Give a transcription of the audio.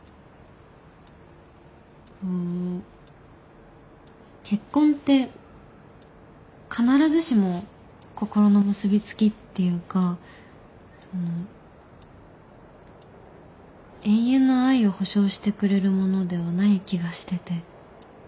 うん結婚って必ずしも心の結び付きっていうか永遠の愛を保証してくれるものではない気がしてて。